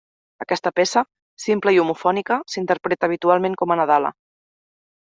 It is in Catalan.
Aquesta peça, simple i homofònica, s'interpreta habitualment com a nadala.